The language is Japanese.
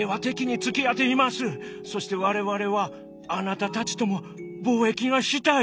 そして我々はあなたたちとも貿易がしたい！」。